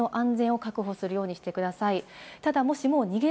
直ちに身の安全を確保するようにしてください。